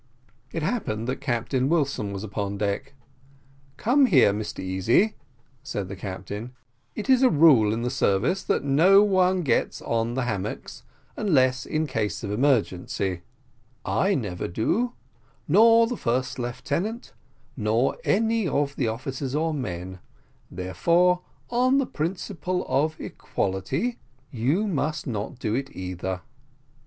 It happened that Captain Wilson was upon deck. "Come here, Mr Easy," said the captain; "it is a rule in the service, that no one gets on the hammocks, unless in case of emergency I never do nor the first lieutenant nor any of the officers or men therefore, upon the principle of equality, you must not do it either."